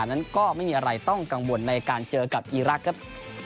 นั้นก็ไม่มีอะไรต้องกังวลในการเจอกับอีรักษ์ครับ